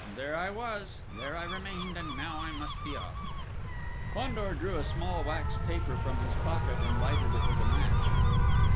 There I was, there I remained, and now I must be off!" Fandor drew a small wax taper from his pocket and lighted it with a match.